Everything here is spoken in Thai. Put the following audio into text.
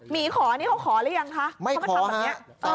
มีขอนี่เขาขอแล้วยังคะไม่ขอฮะเออ